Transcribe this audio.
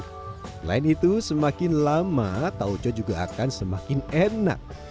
selain itu semakin lama tauco juga akan semakin enak